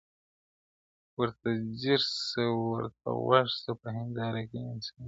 ورته ځیر سه ورته غوږ سه په هینداره کي انسان ته -